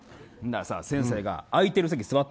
先生が、空いてる席座ってって。